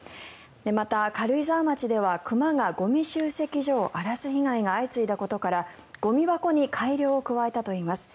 また、軽井沢町では熊がゴミ集積所を荒らす被害が相次いだことからゴミ箱に改良を加えたといいます。